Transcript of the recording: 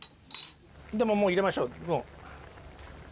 もう入れましょう。